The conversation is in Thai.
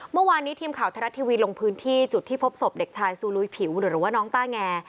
เมื่อวานนี้ทีมข่าวไทยรัฐทีวีลงพื้นที่จุดที่พบศพเด็กชายซูลุยผิวหรือว่าน้องต้าแง